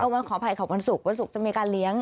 วันขออภัยค่ะวันศุกร์วันศุกร์จะมีการเลี้ยง